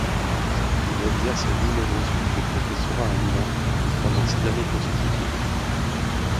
Il exerce lui-même ensuite le professorat à Milan pendant six années consécutives.